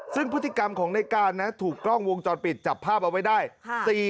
ซึ่งพฤติกรรมของในการนะถูกกล้องวงจรปิดจับภาพเอาไว้ได้